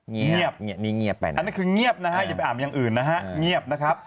เงียบนี่เงียบไปนะอันนั้นคือเงียบนะฮะอย่าไปอาบอย่างอื่นนะฮะเงียบนะครับ